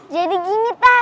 jadi gini teh